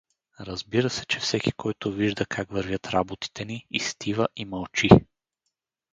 Разбира се, че всеки, който вижда как вървят работите ни, изстива и мълчи.